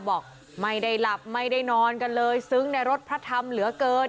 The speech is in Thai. บอกไม่ได้หลับไม่ได้นอนกันเลยซึ้งในรถพระธรรมเหลือเกิน